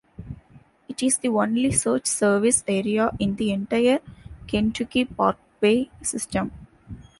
It is the only such service area in the entire Kentucky parkway system.